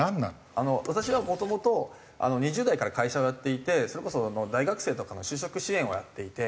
私はもともと２０代から会社をやっていてそれこそ大学生とかの就職支援をやっていて。